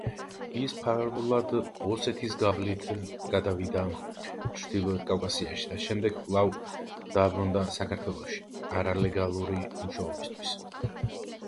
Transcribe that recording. ის ფარულად, ოსეთის გავლით გადავიდა ჩრდილოეთ კავკასიაში და შემდეგ კვლავ დაბრუნდა საქართველოში არალეგალური მუშაობისთვის.